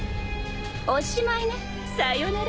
おしまいねさよなら